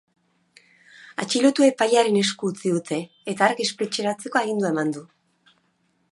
Atxilotua epailearen esku utzi dute, eta hark espetxeratzeko agindua eman du.